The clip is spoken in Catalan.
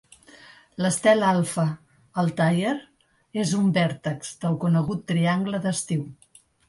L'estel alfa, Altair, és un vèrtex del conegut Triangle d'Estiu.